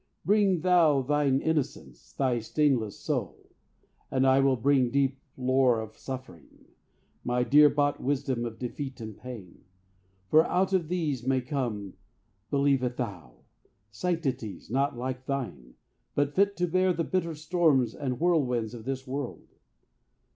Bring thou thine innocence, thy stainless soul, And I will bring deep lore of suffering, My dear bought wisdom of defeat and pain. For out of these may come, believe it thou, Sanctities not like thine, but fit to bear The bitter storms and whirlwinds of this world.